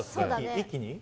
一気に？